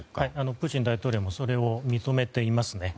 プーチン大統領もそれを認めていますね。